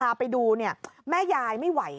พาไปดูเนี่ยแม่ยายไม่ไหว